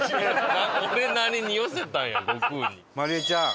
まりえちゃん。